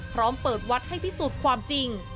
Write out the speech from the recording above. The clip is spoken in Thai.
พร้อมเปิดวัดให้พิสูจน์ความจริง